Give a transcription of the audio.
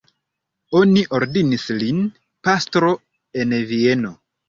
Oni ordinis lin pastro en Vieno.